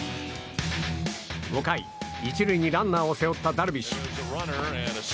５回、１塁にランナーを背負ったダルビッシュ。